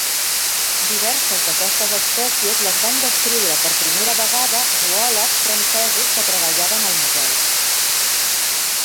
Diverses d'aquestes espècies les van descriure per primera vegada zoòlegs francesos que treballaven al museu.